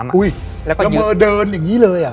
ระเมอเดินอย่างนี้เลยอ่ะ